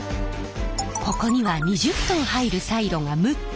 ここには２０トン入るサイロが６つ。